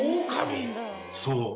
そう。